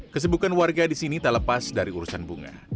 kesibukan warga di sini tak lepas dari urusan bunga